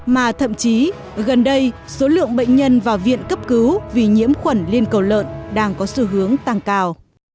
mà thậm chí gần đây số lượng bệnh nhân vào viện cấp cứu vì nhiễm khuẩn liên cầu lợn đang có xu hướng tăng cao